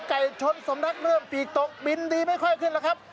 ไก่ชนสำนักเริ่มปีกตกบินดีไม่ค่อยขึ้นแล้วครับ